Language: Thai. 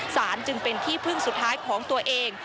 จึงเป็นที่พึ่งสุดท้ายของตัวเอง